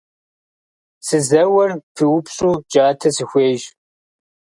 Сызэуэр пиупщӏу джатэ сыхуейщ.